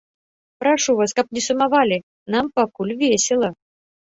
Прашу вас, каб не сумавалі, нам пакуль весела.